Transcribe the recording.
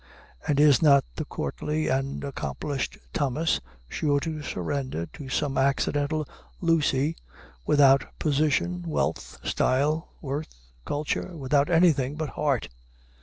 and is not the courtly and accomplished Thomas sure to surrender to some accidental Lucy without position, wealth, style, worth, culture without anything but heart?